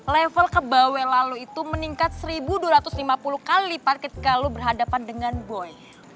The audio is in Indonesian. level kebawel lo itu meningkat seribu dua ratus lima puluh kali lipat ketika lo berhadapan dengan boy